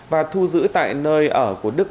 và thu giữ tại nơi ở của đức